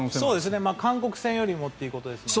韓国戦よりもということですよね？